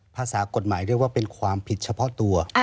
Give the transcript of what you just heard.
ภาษากฎหมายเรียกว่าเป็นความผิดเฉพาะตัว